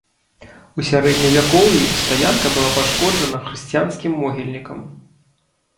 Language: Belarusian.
У сярэдневякоўі стаянка была пашкоджана хрысціянскім могільнікам.